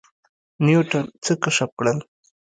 نیوټن څه کشف کړل؟